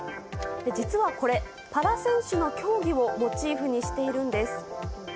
実はこれ、パラ選手の競技をモチーフにしているんです。